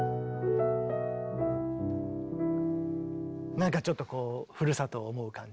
なんかちょっとこうふるさとを思う感じ。